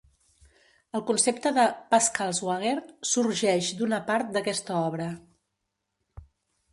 El concepte de "Pascal's Wager" sorgeix d'una part d'aquesta obra.